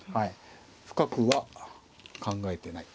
深くは考えてない。